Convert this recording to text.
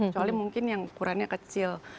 kecuali mungkin yang ukurannya kecil